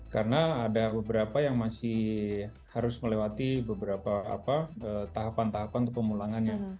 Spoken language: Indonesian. karena ada beberapa yang masih harus melewati beberapa tahapan tahapan pemulangannya